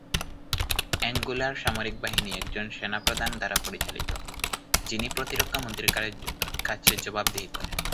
অ্যাঙ্গোলার সামরিক বাহিনী একজন সেনাপ্রধান দ্বারা পরিচালিত, যিনি প্রতিরক্ষা মন্ত্রীর কাছে জবাবদিহি করেন।